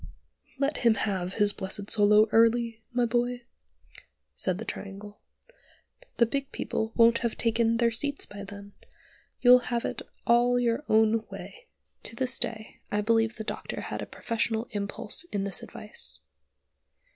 "Let him have his blessed solo early, my boy," said the Triangle. "The big people won't have taken their seats by then. You'll have it all your own way." To this day I believe the Doctor had a professional impulse in this advice.